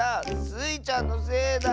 スイちゃんのせいだ！